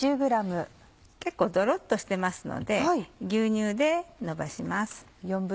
結構ドロっとしてますので牛乳で伸ばします。